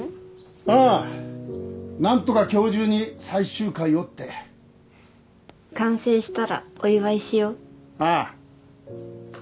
ああなんとか今日中に最終回をって完成したらお祝いしよああ